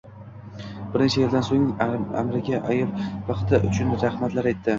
Bir necha yildan soʻng amirga ayol baxti uchun rahmatlar aytdi.